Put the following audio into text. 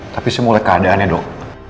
tapi semula keadaannya dok